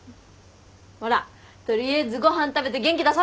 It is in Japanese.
ほら取りあえずご飯食べて元気出そう！